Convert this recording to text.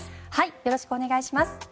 よろしくお願いします。